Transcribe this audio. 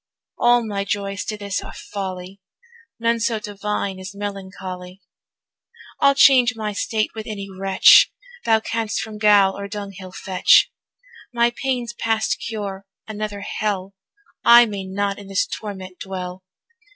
All my joys to this are folly, None so divine as melancholy. I'll change my state with any wretch, Thou canst from gaol or dunghill fetch; My pain's past cure, another hell, I may not in this torment dwell!